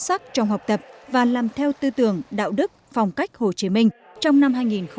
hội nghị đã xuất sắc trong học tập và làm theo tư tưởng đạo đức phong cách hồ chí minh trong năm hai nghìn một mươi tám